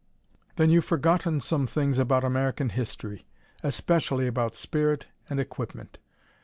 "Then you've forgotten some things about American history, especially about spirit and equipment.